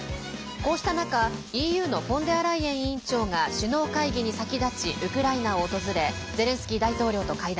こうした中、ＥＵのフォンデアライエン委員長が首脳会議に先立ちウクライナを訪れゼレンスキー大統領と会談。